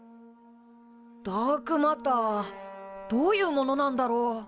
ダークマターどういうものなんだろう？